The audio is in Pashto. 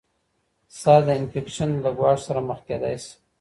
سر د انفیکشن له ګواښ سره مخ کیدای شي.